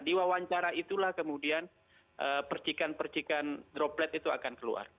di wawancara itulah kemudian percikan percikan droplet itu akan keluar